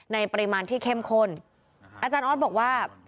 ในปริมาณที่เข้มข้นอาจารย์ออสบอกว่า